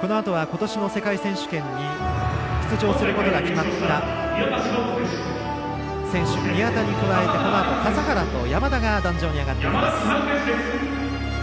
このあとはことしの世界選手権に出場することが決まった選手、宮田に加えてこのあと、笠原と山田が壇上に上がります。